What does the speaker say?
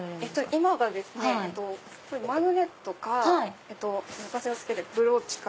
今がマグネットか私が着けているブローチか。